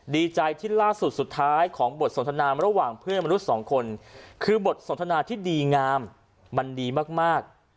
ดีใจที่ล่าสุดสุดท้ายของบทสนทนาระหว่างเพื่อนมนุษย์สองคนคือบทสนทนาที่ดีงามมันดีมาก